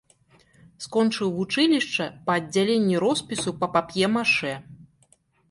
Скончыў вучылішча па аддзяленні роспісу па пап'е-машэ.